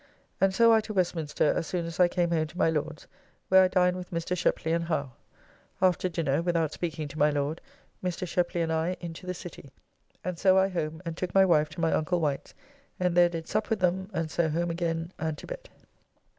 And so I to Westminster as soon as I came home to my Lord's, where I dined with Mr. Shepley and Howe. After dinner (without speaking to my Lord), Mr. Shepley and I into the city, and so I home and took my wife to my uncle Wight's, and there did sup with them, and so home again and to bed.